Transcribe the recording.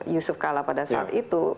yusuf kala pada saat itu